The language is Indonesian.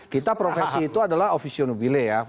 kita profesi itu adalah officio billy ya